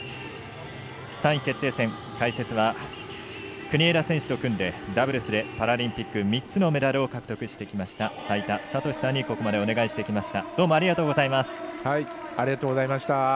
３位決定戦解説は、国枝選手と組んでダブルスでパラリンピック３つのメダルを獲得してきました齋田悟司さんにここまでお願いしてきました。